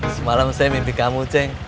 semalam saya mimpi kamu ceng